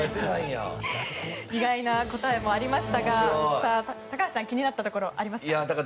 意外な答えもありましたが高橋さん、気になったところありますか？